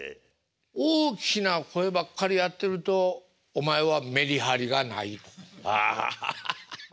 大きな声ばっかりやってると「お前はメリハリがない」。ああハハハハ。